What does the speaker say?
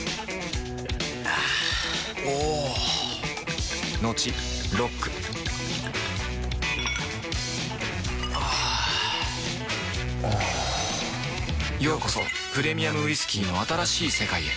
あぁおぉトクトクあぁおぉようこそプレミアムウイスキーの新しい世界へ